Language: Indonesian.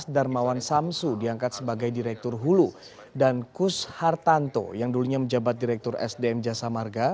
darmawan samsu diangkat sebagai direktur hulu dan kus hartanto yang dulunya menjabat direktur sdm jasa marga